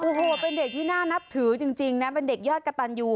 โอ้โหเป็นเด็กที่น่านับถือจริงนะเป็นเด็กยอดกระตันยู